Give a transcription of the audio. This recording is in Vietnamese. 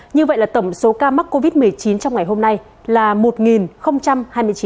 như vậy là tổng số ca mắc covid một mươi chín trong ngày hôm nay là một hai mươi chín ca